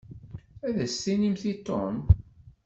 Ad as-tinimt i Tom?